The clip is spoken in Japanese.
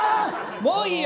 もういいよ。